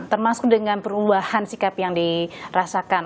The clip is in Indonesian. termasuk dengan perubahan sikap yang dirasakan